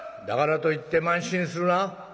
「だからといって慢心するな」。